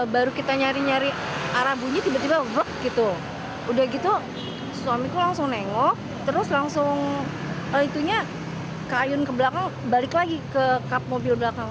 baru kita nyari nyari arah bunyi tiba tiba rock gitu udah gitu suamiku langsung nengok terus langsung itunya ke ayun ke belakang balik lagi ke kap mobil belakang